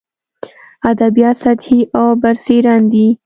ادبیات سطحي او برسېرن دي.